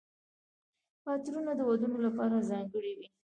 عطرونه د ودونو لپاره ځانګړي وي.